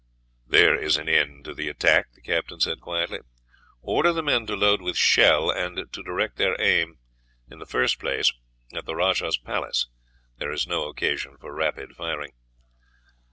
"There is an end to the attack," the captain said quietly. "Order the men to load with shell, and to direct their aim in the first place at the rajah's palace; there is no occasion for rapid firing."